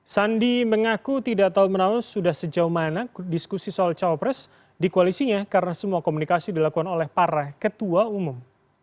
sandi mengaku tidak tahu menau sudah sejauh mana diskusi soal cawapres di koalisinya karena semua komunikasi dilakukan oleh para ketua umum